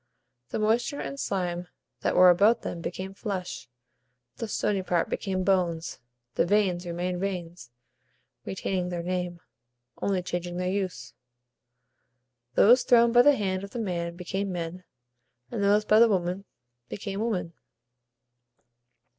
The moisture and slime that were about them became flesh; the stony part became bones; the veins remained veins, retaining their name, only changing their use. Those thrown by the hand of the man became men, and those by the woman became women.